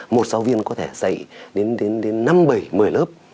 một giáo viên có thể dạy đến năm bảy mươi lớp